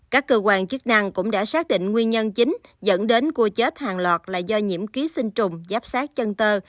các cơ quan chức năng cũng đã xác định nguyên nhân chính dẫn đến cua chết hàng loạt là do nhiễm ký sinh trùng giáp sát chân tơ